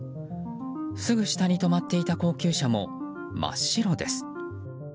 すぐ下に止まっていた高級車も真っ白です。